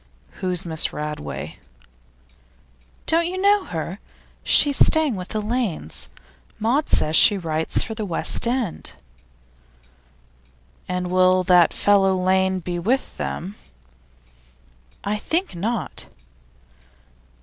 'Who's Miss Radway?' 'Don't you know her? She's staying with the Lanes. Maud says she writes for The West End.' 'And will that fellow Lane be with them?' 'I think not.